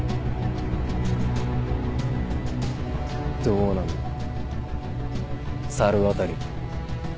どうなんだ猿渡。